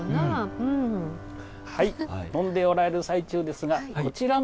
はい飲んでおられる最中ですがこちらもどうぞ。